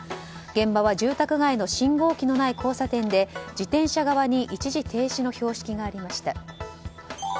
現場は住宅街の信号機のない交差点で自転車側に一時停止の標識がありました。